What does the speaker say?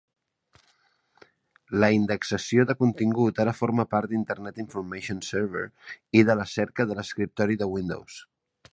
La indexació de contingut ara forma part d'Internet Information Server i de la cerca de l'Escriptori de Windows.